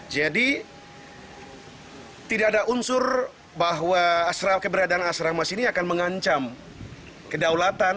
jadi tidak ada unsur bahwa keberadaan asrama sini akan mengancam kedaulatan